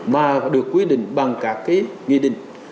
mà được quy định bằng các cái nghi định